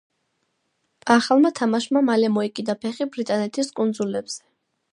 ახალმა თამაშმა მალე მოიკიდა ფეხი ბრიტანეთის კუნძულებზე.